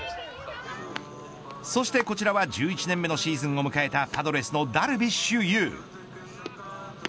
そして、こちらは１１年目のシーズンを迎えたパドレスのダルビッシュ有。